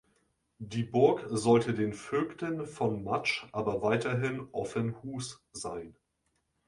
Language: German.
Die Burg sollte den Vögten von Matsch aber weiterhin offen hus sein.